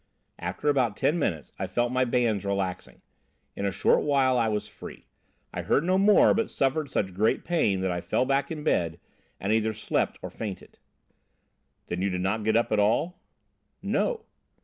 "After about ten minutes I felt my bands relaxing. In a short while I was free; I heard no more, but suffered such great pain that I fell back in bed and either slept or fainted." "Then you did not get up at all?" "No."